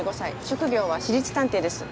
職業は私立探偵です。